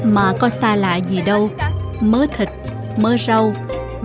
mà có xa lạ gì đâu mớ thịt mớ rau vài chiếc bánh tét cho bọn trẻ lót lòng buổi sáng